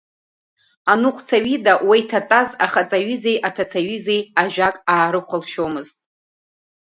Аныҟәцаҩ ида уа иҭатәаз ахаҵаҩызеи аҭацаҩызеи ажәак аарыхәлашәозмыт.